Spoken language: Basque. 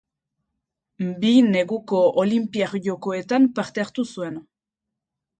Bi Neguko Olinpiar Jokoetan parte hartu zuen.